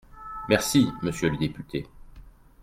Merci, monsieur le député.